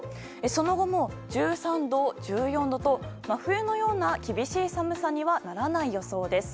その後も、１３度、１４度と真冬のような厳しい寒さにはならない予想です。